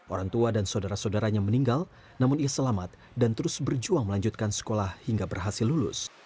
orang tua dan saudara saudaranya meninggal namun ia selamat dan terus berjuang melanjutkan sekolah hingga berhasil lulus